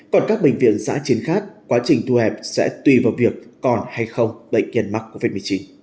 còn các bệnh viện giã chiến khác quá trình thu hẹp sẽ tùy vào việc còn hay không bệnh nhân mắc covid một mươi chín